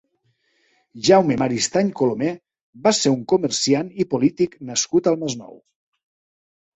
Jaume Maristany Colomer va ser un comerciant i polític nascut al Masnou.